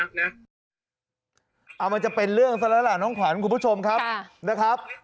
เอามาจะเป็นเรื่องน๊อขวานคุณผู้ชมครับ